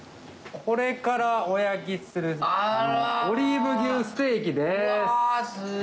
これからお焼きするオリーブ牛ステーキです。